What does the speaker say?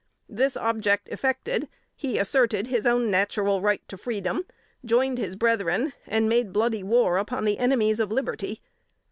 This object effected, he asserted his own natural right to freedom, joined his brethren, and made bloody war upon the enemies of liberty.